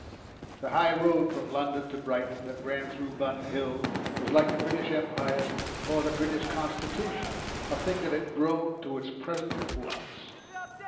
The High Road from London to Brighton that ran through Bun Hill was like the British Empire or the British Constitution a thing that had grown to its present importance.